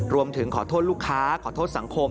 รวมถึงขอโทษลูกค้าขอโทษสังคม